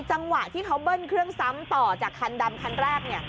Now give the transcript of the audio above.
จังหวะที่เขาเบิ้ลเครื่องซ้ำต่อจากคันดำคันแรกเนี่ย